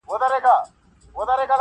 ما مي د خضر په اوبو آیینه ومینځله -